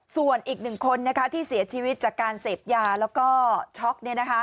ส่วนอีกหนึ่งคนที่เสียชีวิตจากการเสพยาแล้วก็ช็อก